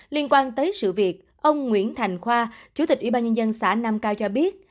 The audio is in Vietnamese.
liên quan tới sự việc ông nguyễn thành khoa chủ tịch ủy ban nhân dân xã nam cao cho biết